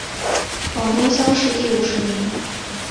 广东乡试第五十名。